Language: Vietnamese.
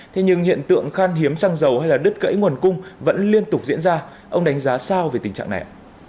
thế nhưng hiện tượng khan hiếm xăng dầu hay đứt gãy nguồn cung vẫn liên tục diễn ra ông đánh giá sao về tình trạng này